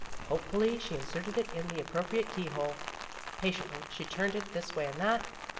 Hopefully she inserted it in the appropriate key hole. Patiently she turned it this way and that.